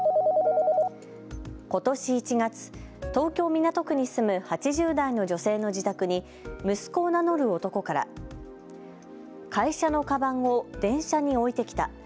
ことし１月、東京・港区に住む８０代の女性の自宅に息子を名乗る男から会社のかばんを電車に置いてきた。